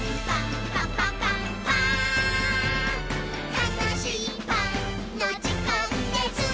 「たのしいパンのじかんです！」